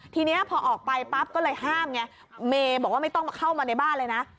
ทีนี้พอออกไปปั๊บก็เลยห้ามไงเมย์บอกว่าไม่ต้องมาเข้ามาในบ้านเลยนะ